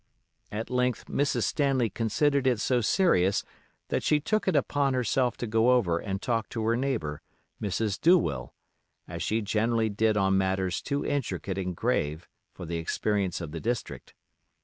At length Mrs. Stanley considered it so serious that she took it upon herself to go over and talk to her neighbor, Mrs. Douwill, as she generally did on matters too intricate and grave for the experience of the district.